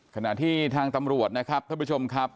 ขณะที่ทางตำรวจนะครับท่านผู้ชมครับ